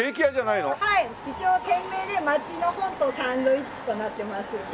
一応店名で「まちの本とサンドイッチ」となってますが。